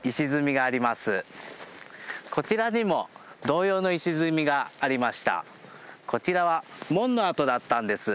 こちらにも同様の石積みがありました。